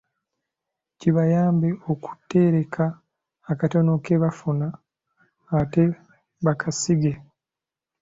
Kibayambe okutereka akatono ke bafuna ate bakasige.